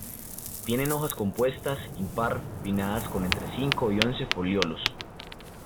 Tienen hojas compuestas impar pinnadas con entre cinco y once folíolos.